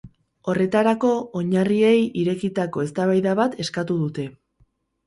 Horretarako, oinarriei irekitako eztabaida bat eskatu dute.